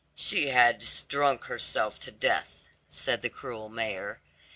"She has drunk herself to death," said the cruel mayor.